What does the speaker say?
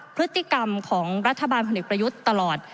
พฤติกรรมของรัฐบาลพลเอกประยุทธ์ตลอด